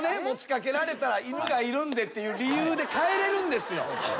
持ち掛けられたら「犬がいるんで」っていう理由で帰れるんですよ。